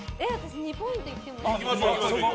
２ポイントいっていい？